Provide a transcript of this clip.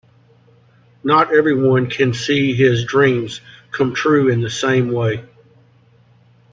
Not everyone can see his dreams come true in the same way.